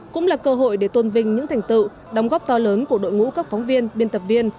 cũng là cơ hội để tôn vinh những thành tựu đóng góp to lớn của đội ngũ các phóng viên biên tập viên